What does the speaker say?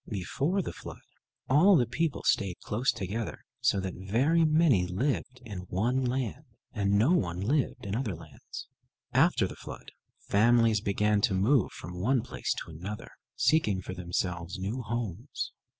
Before the flood, all the people stayed close together, so that very many lived in one land, and no one lived in other lands. After the flood families began to move from one place to another, seeking for themselves new homes.